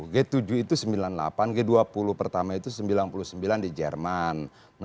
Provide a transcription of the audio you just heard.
g tujuh itu sembilan puluh delapan g dua puluh pertama itu sembilan puluh sembilan di jerman